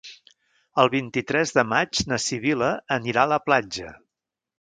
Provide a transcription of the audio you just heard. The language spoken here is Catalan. El vint-i-tres de maig na Sibil·la anirà a la platja.